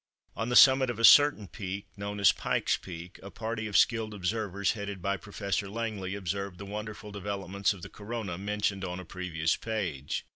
On the summit of a certain peak, known as Pike's Peak, a party of skilled observers, headed by Professor Langley, observed the wonderful developments of the Corona, mentioned on a previous page.